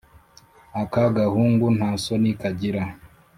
aka gahungu nta soni kagira!